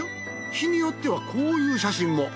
日によってはこういう写真も。